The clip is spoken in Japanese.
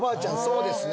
そうですね。